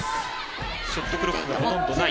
ショットクロックがほとんどない。